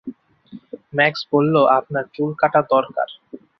Max বলল আপনার চুল কাটা দরকার।